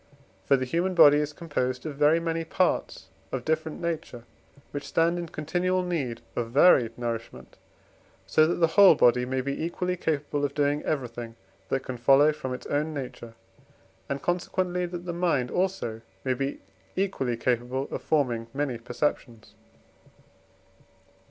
For the human body is composed of very many parts of different nature, which stand in continual need of varied nourishment, so that the whole body may be equally capable of doing everything that can follow from its own nature, and consequently that the mind also may be equally capable of forming many perceptions.